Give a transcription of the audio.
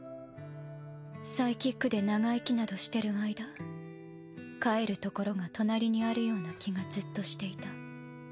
サイキックで長生きなどしてる間帰る所が隣にあるような気がずっとしていた。